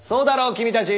君たち。